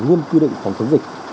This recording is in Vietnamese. nghiêm quy định phòng thống dịch